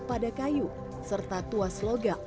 pada kayu serta tuas logam